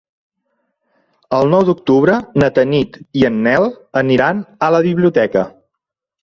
El nou d'octubre na Tanit i en Nel aniran a la biblioteca.